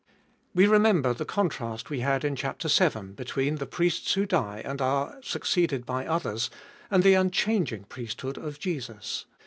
We remember the contrast we had in chap. vii. between the priests who die and are succeeded by others, and the unchanging priesthood of Jesus.